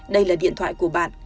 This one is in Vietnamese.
đây là điện thoại của bạn